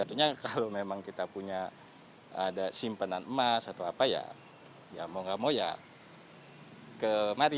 tentunya kalau memang kita punya ada simpenan emas atau apa ya ya mau gak mau ya kemari